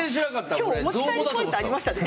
今日お持ち帰りポイントありましたね。